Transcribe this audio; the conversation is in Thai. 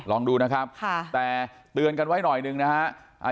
ลองดูนะครับค่ะแต่เตือนกันไว้หน่อยหนึ่งนะฮะ